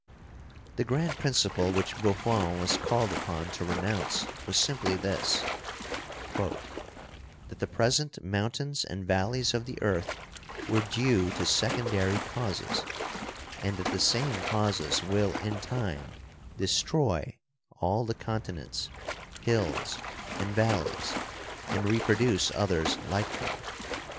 The grand principle which Buffon was called upon to renounce was simply this: "That the present mountains and valleys of the earth were due to secondary causes, and that the same causes will in time destroy all the continents, hills and valleys and reproduce others like them."